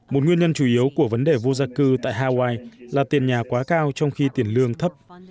một nguyên nhân chủ yếu của vấn đề vô gia cư tại hawaii là tiền nhà quá cao trong khi tiền lương thấp